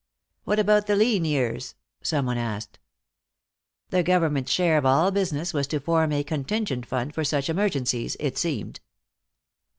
"What about the lean years?" some one asked. The government's share of all business was to form a contingent fund for such emergencies, it seemed.